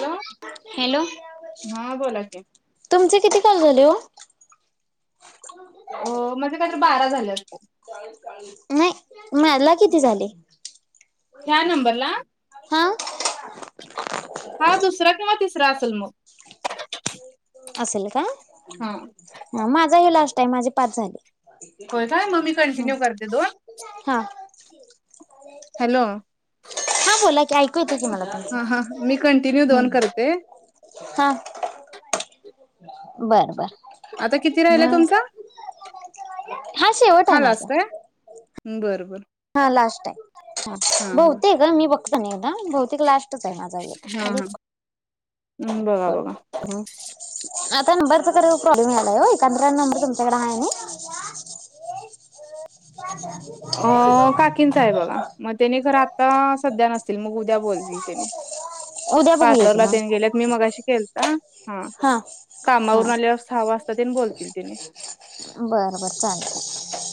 Hello hello हा बोला की तुमचे किती काल झाले हो अ, माझे काहीतरी बारा झाले असतील नाही न्यायला किती झाले ह्या नंबरला हा हा दुसरा किंवा तिसरा असेल मग असेल का हा ह माझा हे लास्टाईम माझे पाच झाले होय काय मग मी हम कंटिन्यू करते दोन हा हॅलो हा बोला की ऐकू येते की मला हा तुमचं हा मी कंटिन्यू दोन करते हा बर बर आता किती म्हणले तुमचा मग शेवट आहे हा माझा लास्ट आहे बरं बर हा लास्ट आहे ह हा हा बहुतेक ह बघते ग मी बहुतेक लास्टच आहे माझा हा पण हा हम्म, बघा पण बघा आता नंबरचाकडे प्रॉब्लेम आलाय एकंदर नंबर तुमच्याकडे आहे ना एक ह काकीन चा आहे बघा, मग त्याने खर आत्ता सध्या नसतील, मग उद्या बोलतील त्यानी, उद्या बघूया की पार्लरला त्यांनी मग गेले मी मगाशी केेलता हा, हा कामावरून आल्यावर सहा वाजता त्यांने बोलतील तिने बरं बरं चालतय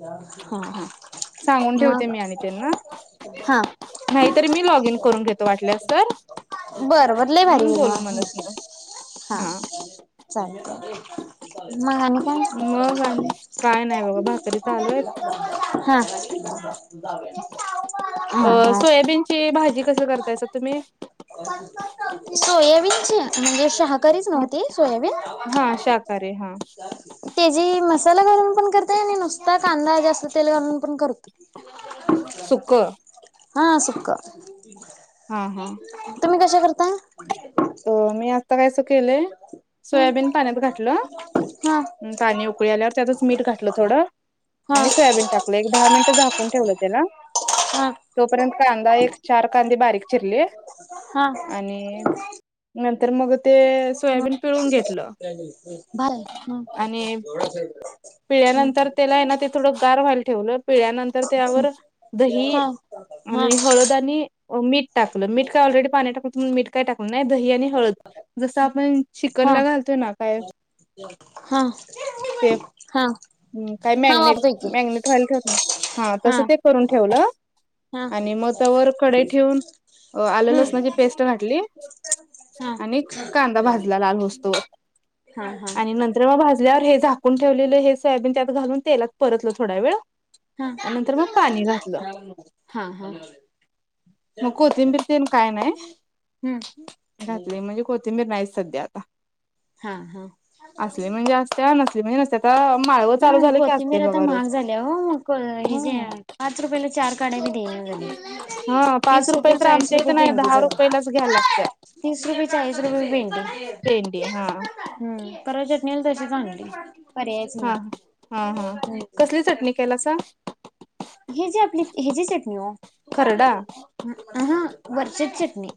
ह हा सांगून ठेवते मी आणि त्यांना हा नाहीतरी मी लॉगीन करून घेते वाटल्यास तर बरं बरं लय भारी होईल म बोलू म्हणस मग हा चालतय मघान का मग आणि काय नाही बघा भाकरी चालू आहेत हा जाऊया हा अ हा सोयाबीनची भाजी कसं करतायसा तुम्ही सोयाबीनची म्हणजे, शाहाकारीच नव्हती सोयाबीन, हा शाकाहारी हा ते जी मसाला गरम पण करताय आणि नुसतात कांदा जास्त तेल घून पण करत सुख हा सुखख, हा तुम्ही कशा करताय? तर मी आता कायस केलंय, सोयाबीन पाण्यात घातलं हा पाणी उकळी आल्यावर त्यातच मीठ घातलं थोडं हा आणि सोयाबीन टाकलं एक दहा मिनिटं झाकून ठेवलं त्याला हा तोपर्यंत कांदा एक चार कांदीे बारीक चिरली हा आणि तर मग ते हा सोयाबीन पिळून घेतलं भारी हा आणि पिळल्यानंतर त्याला ना ते थोडं गार व्हायला ठेवलं. पिळनंतर त्यावर दही हा हा आणि हळद आणि मीठ टाकलं मीट काय ऑलरेडी पाणी टाक मीठ काय टाका नाही दही आणि हळद जसं आपण हा चिकनला घालतोय ना काय? हा हा ह् काय हा मॅगनेट, वापरतोय की मॅग्नेट होईला ठेव हा तस ते करून ठेवलं. हा आणि मग तवर कढई ठेवून आल हम्म लसणाची पेस्ट घातली, हा आणि कांदा भाजला लाल होस तोवर. हा हा आणि नंतर मग भाजल्यावर हे झाकून ठेवलेलं हे सोयाबीन त्यात घालून तेलात परतलं थोडा वेळ. हा आणि नंतर मग पाणी घातलं हा हा मग कोथिंबीर तेन काय नाही, हम्म घातली म्हणजे कोथिंबीर नाही सध्या आता हा हा असली म्हणजे असत्या नसली म्हणजे नस्तिया. हा कोथिंबीर आता महाग झाली हो मग ह जे पाच रुपयाला चार काढाय देईना झालेत. हा पाच रुपयाला तर आमच्या इथ नाही दहा झाल्या रुपयालाच घ्या लागतीया. तीस रुपये चाळीस रुपये भिंडी पेंडी हा हम्म परवा चटणीला तशी पर याच हा हा हा नाही. कसली चटणी केलासा हे जे आपली ह जी चटणी हो हा खरडा वरचीची चटणी.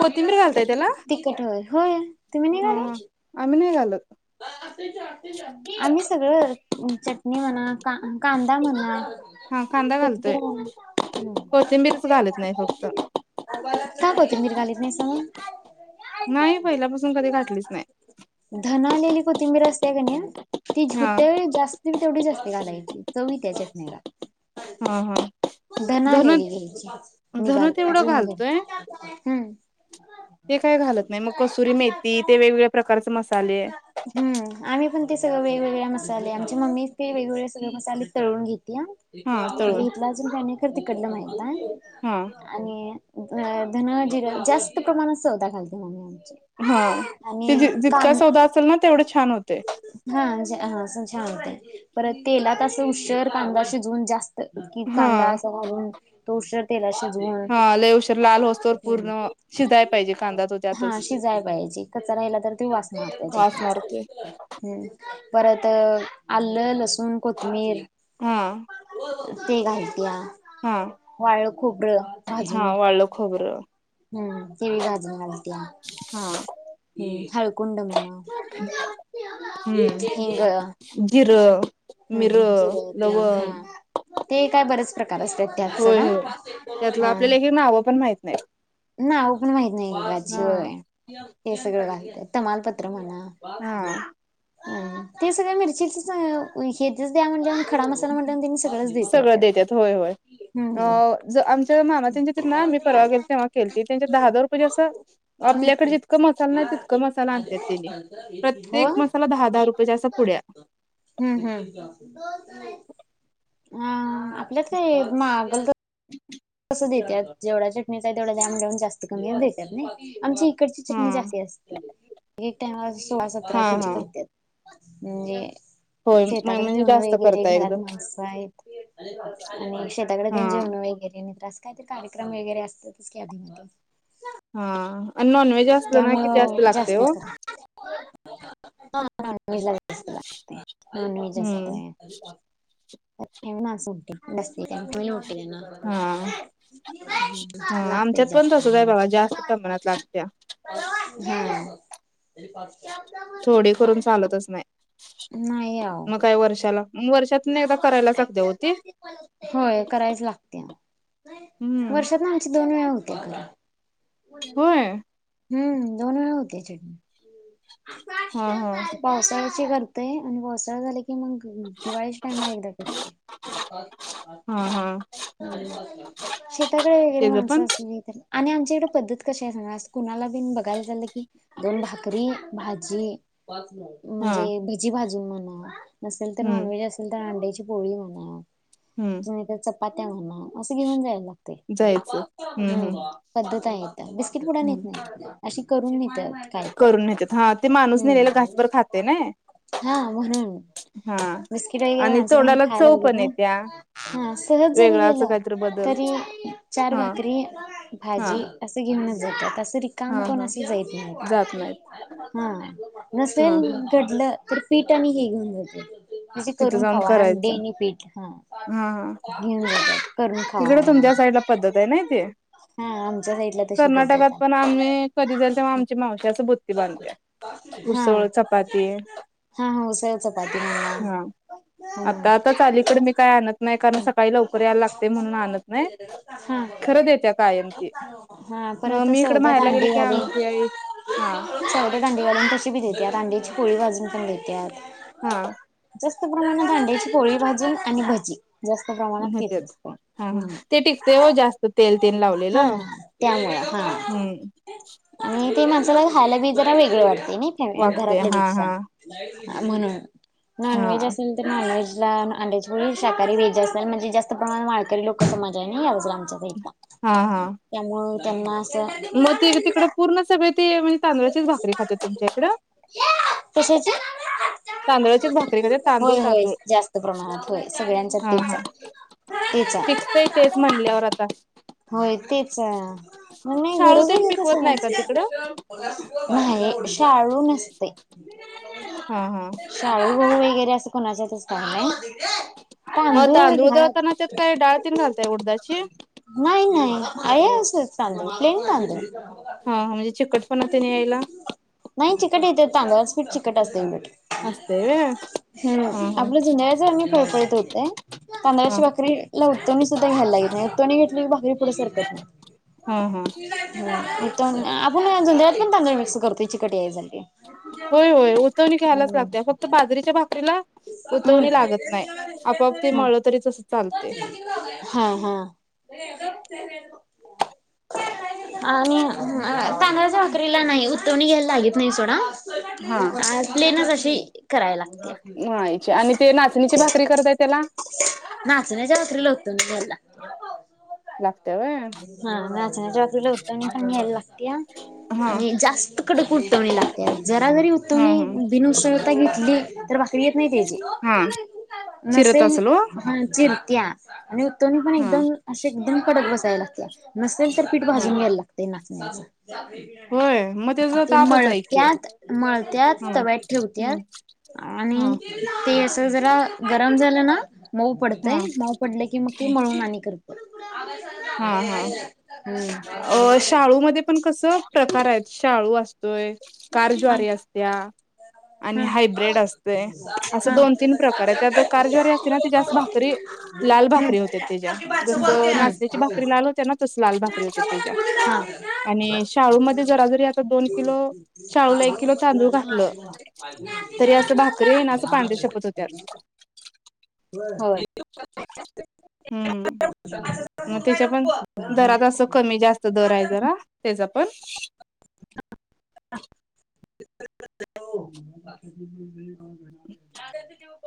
कोथिंबीर तिकट होय होय. तुम्ही नाही हम ह घालत आम्ही नाही घालत. आम्ही सगळं चटणी म्हणा का कांदा म्हणा हा कांदा घालतोय कोथिंबीरच घालत नाही फक्त [unintelligible] घालीेत नाही सा होय? नाही पहिल्यापासून कधी घातलीच नाय. फूल आलेली कोथिंबीर असत्या का नाय ती हा जटा जास्त तेवढी जास्त घालायची चव येतिया या चटणीला. हा हा धन धनालेली घ्याची धन तेवढं निबारून घ घालतोय हम्म. ते काय घालत नाही मग कसुरी मेथी ते वेगवेगळ्या प्रकारचा मसा हम्म आम्ही पण ते सगळं व वेगवेग्या मसाले आमच्या मम्मी ते वेगळे सगळे मसाले तळून घेत घ हा तळून घितला अजून काई कर तिकडला माहितय हां, आणि अ धन जिरां जास्त प्रमाणात सवता घालते मम्मी आम हा ते जितका सौदा असेल ना तेवढे छान होते. पर तेलात उशीर कांदा शिजून जात क कांदा हां, असा घालून तोर तेलाशी हां लय उशीर लाल होसतोवर पूर्ण शिजाय पाहिजे कांदा तो त्यातच. [unintelligible] राहिला तर तो वास मारतो. वास मारतोय. परत आलं, लसूण, कोथमीर हम् ते घालत वाळ खोबर भाजून. हां वाळलं खोबरं हम् ते बी भाजून घालते. हां, ह हळकुंड म्हणा हम्म हिंग जिरं, हम्म जिर मिरं, ते लवंग हा. ते काय बरेच प्रकार असतात त्यात होय, सोडा होय त्यातलं ह. आपल्याला हे नावं पण माहित नाहीत. नाव पण माहित नाही एका ची होय. हां, सगळा घालत्या तमालपत्र म्हणा हां अ ते सगळ्या मिरचीच हेचच द्या म्हटलंयावर सगळं देत्यात होय, होय. हम्म अ ज आमच्या मामा त्यांच्या त ना मीही परवा गेल तेव्हा केलती त्यांच्या दहा दहा रुपयेच्या अस आपल्याकडे जितकं मह मसाला नाही तितक मसाला आणतात त्याने हो प्रत्येक मसाला दहा दहा रुपयेचा अस पुड्या हम्म हम्म... अ आपल्यात काही मागल त देतत्यात जेवढ्या चटणीचा तेवढा दया म्हटल्यावर तेवढा जास्त कमी देतात नाही आमची इ इकडची हा चटणी जास्ती असते एक टाइम सोळा सतरा हा हा किलो करत्यात. [unintelligible] जे होय म शेताकडे म्हणजे जेवण जास्त वगैरे करता घरात एकदम माणस आहेत [unintelligible] आणि शेताकडे हा जेवण वगैरे. असं कायतरी कार्यक्रम वगैरे असतातच आधीमध्ये हा.. [inaudible] [unintelligible] असलं ना की त्यामुळं लागतंय जास्त ओ [unintelligible] हा नॉनव्हेज ला जास्त लागते नॉनव्हेज हम्म. असतय. हा हा [unintelligible] [unintelligible] लागतय आमच्यात पण जास्त. तसंच आहे बघा जास्त प्रमाणात लागत्या. [unintelligible] हा थोडी करून चालतच नाही. [unintelligible] नाही आवो मग काय वर्षाला [unintelligible] वर्षातून एकदा करायलाच लागत्या ओ ती होय करायच लागत्या हम्म वर्षातनं आमची दोन वेळा हो होय. [unintelligible] हम्म दोन वेळा होते चटणी [inaudible] हां.. हां.. [unintelligible] करतोय आणि पावसाळा झाला की, कि मग दिवाळीच्या टाइमाला एकदा करतोय [unintelligible] हा हा [unintelligible] शेताकडे वगैरे तेज माणसं पण असली तर आणि आम च्या इकडं पद्धत कशी आहे सांगा असं कुणाला बी बघायला चाललं की च भाजी हा म्हणजे भजी भाजून म्हणा. नसेल तर हम्म नॉनव्हेज असेल तर अंड्याची पोळी म्हणा हम्म किंवा एक च चपात्या म्हणा असं घेऊन जायला लाग लागतय हम्म पद्धत आहे, इथं बिस्किट पुुडा नेत हम्म नाहीेत नाही अशी करून नेत्यात. करून नेत्यात हा ते माणूस नेलेलं घासभर खातय नाही. हा म्हणून बिस्किट वगैरे आणि माणसं कोण तोंडाला खायला चव बघत पण येत्या नाहीत हा सहज जरी वेगळा असं गेलं काहीतरी बदल तरी चार हा भाकरी हा भाजी असं [inaudible] [unintelligible] घेऊनच जात्यात असं रिकामं हा कोण हा असं जाइत नाहीत. [unintelligible] हा हा नसेल हा घडलं तर पीठ आणि हे घेऊन जात्यात. म्हणजे तिथं करून जाऊन खावा करायचं अंडी पीठ हा हा.. हा.. [unintelligible] तिकडं म्हणून. तुमच्या साईड ला पद्धत आहे नाही ती. हा आमच्या साईडला तशी कर्नाटकात पद्धत पण आहे आम्ही कधी जाईल तेव्हा आमची मावशी असं बुत्ती बांधत्या. हा उसळ चपाती हा हा उसळ चपाती म्हणा. हा हम्म. आता आताच अलीकडं मी काय आणत नाही कारण सकाळी लवकर यायला लाग म्हणून आणत नाही खरं हा देत्या कायम ती हा परत मी इकडं सौद्यात माहेरला गेलं अंडी की, घालून आमची आई हा. सौद्यात अंडी घालून तशी बी देत्यात अंड्याची पोळी भाजून पण देत्यात. हा.. [inaudible] जास्त प्रमाणात अंड्याची पोळी भाजून आणि भजी जास्त प्रमाणात तेच नेत्यात असतय. हा हा हम्म ते टिकतंय ओ जास्त तेल तेन लावलेलं. हा त्यामुळे हा हम्म आणि ते माणसाला खायला बी जरा वेगळं वाटतंय नाही फ वाटते घरातल्या हा पेक्षा हा म्हणून हा नॉनव्हेज असेल तर नॉनव्हेज अंड्याची पोळी शाकाहारी वेज अस म्हणजे जास्त प्रमाण माळकरी लोकांचा समाज आहे नाही या बाजूला आमच्या साईटला हा हा त्यामुळं त्यांना अस मग ते तिकडं पूर्ण सगळे ते म्हणजे तांदळाचीच भाकरी खात्यात तुमच्या इकडं कशाची तांदळाचीच भाकरी खात्यात तांदूळ होय होय तांदूळ जास्त प्रमाणात होय सगळ्यांच्यात हा तेच हा आहे. तेच टिकतंय तेच आहे म्हणल्यावर आता होय तेच मग नाही शाळू तेन घरोघरीच पिकवत असं नाही का तिकडं नाही शाळू नसतय हा हा शाळू वगैरे असं कोणाच्यातच काय नाही मग तांदूळ दळताना त्यात भात काय डाळ तेन घालताय उडदाची नाही नाही आहे असंच तांदूळ प्लेन तांदूळ पुन्हा ते न्यायला नाही चिकट येते तांगची चिकट असते बीट असस्तव हम्म आपलं जुन्या जआी पपळत होते हा तांदळाची भाकरीला उत्तवणी सुद्धा घ्यायला लागत नाही उत्तवणी घेतली क भाकरी पुढे सरतात नाही हा हा [inaudible] आपण दयात पण तांदळ मिक्स करतो चिकटी या झा होय होय उतवणी घ्यायलाच लागते फक्त बाजरीच्या भाकरीला उतवणी लागत नाही आपाआप ते हा म्हलं तरीच हा हा आणि तांदळ झाकरीला नाही उतवणी घ्यायला लागत नाही सोडा हा प्लेनच अशी करायला लागते मळायची आणि ते नाचणीची भाकरी करताय त्याला नाचण्याच्या उतरल होतो मी झाला लागत हाचकला होतो लागते ह हा आणि जास्त कडक उतवणी लागते जरा जरी हा उतवणी हा भिन उसळता घेतली तर तजी हा चिरत नसेल असल ओ हा चिरत्या आणि तोनी पण हा एकदम अशी एकदम कडक बस यला नसेल तर पीठ हा भाजून या्यायला लागतंय नाचण्याचचा होय मग त्याचा ते तापच आहे की मळत्यात मळत्यात हा तव्यात ठेवत्या हम्म आणि हा ते असं जरा गरम झालं ना मऊ पडतय हा मऊ पडलं की मग ते मळून आणि करत हा हा अ शाळूमध्ये पण कस प्रकार आहेत शाळू अस य कार हा ज्वारी असत्या आणि हा हायब्र्रीड असते असं हा. दोन तीन प्रकार आहे त्यात कारज्वारी असते ना ती जास्त भाकरी लाल भाकरी होते त्याच्या हम्म. जस नाचण्याची भाकरी लाल होत्या ना त लाल भाकरी होते तेच्या हम्म. आणि शाळू मध्ये जरा जरी आता दोन किलो शाळूला एक किलो तांदूळ घातलं तरी असं भाकरी येई ना असं पांर्या छपत होत्यात [unintelligible] हम्म मग त्याच्या पण दरात असं कमी जास्त दर आहे जरा त्याचा पण [unintelligible] ऊ